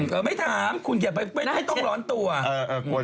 แต่อ่าไม่ถามคุณอย่าไปไว้ตรงร้อนตัว